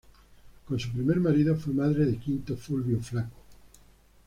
Con su primer marido fue madre de Quinto Fulvio Flaco.